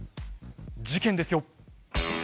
事件ですよ。